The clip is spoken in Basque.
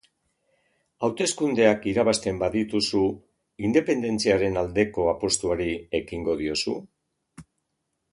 Hauteskundeak irabazten badituzu, independentziaren aldeko apustuari ekingo diozu?